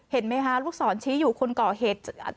เห็นไหมคะลูกศรชี้อยู่คนก่อเหตุ